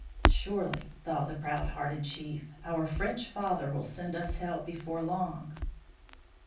"Surely," thought the proud hearted chief, "our French father will send us help before long."